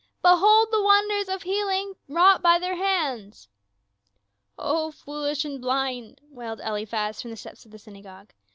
" Behold the wonders of healing wrought by their hands !"" O fools and blind !" wailed Eliphaz, from the steps of the synagogue.